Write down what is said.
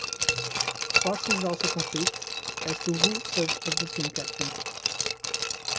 Sources also conflict as to who served as the team captain.